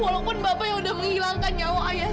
walaupun bapak yang udah menghilangkan nyawa ayah saya